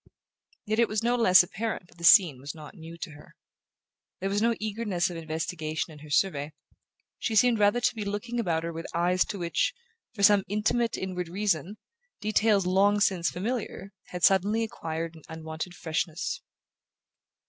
Yet it was no less apparent that the scene was not new to her. There was no eagerness of investigation in her survey: she seemed rather to be looking about her with eyes to which, for some intimate inward reason, details long since familiar had suddenly acquired an unwonted freshness.